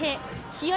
試合